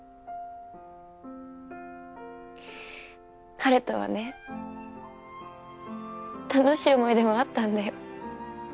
彼とはね楽しい思い出もあったんだよ。